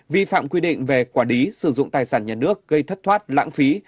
ba vi phạm quyết định về quả đí sử dụng tài sản nhà nước gây thất thoát lãng phí